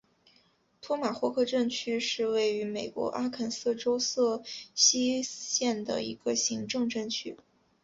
托马霍克镇区是位于美国阿肯色州瑟西县的一个行政镇区。